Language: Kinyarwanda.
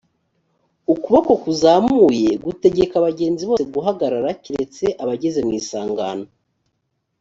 ukuboko kuzamuye gutegeka abagenzi bose guhagarara keretse abageze mu isangano